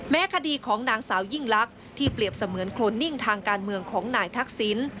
คดีของนางสาวยิ่งลักษณ์ที่เปรียบเสมือนโครนนิ่งทางการเมืองของนายทักษิณ